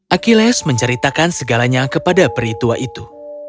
achilles menceritakan segalanya kepada peri tua itu